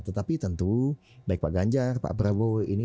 tetapi tentu baik pak ganjar pak prabowo ini